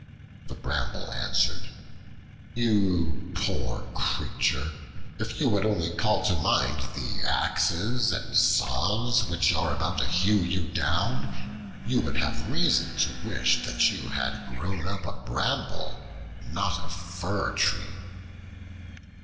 The Bramble answered: "You poor creature, if you would only call to mind the axes and saws which are about to hew you down, you would have reason to wish that you had grown up a Bramble, not a Fir Tree."